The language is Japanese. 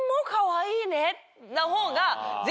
な方が。